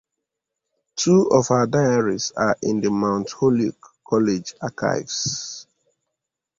Two of her diaries are in the Mount Holyoke College Archives.